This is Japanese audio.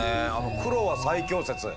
黒は最強説。